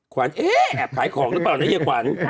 ขวานเอ๊แอบขายของหรือเปล่าเนี่ยเฮียขวาน